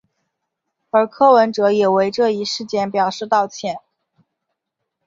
而柯文哲也为这一事件表示道歉。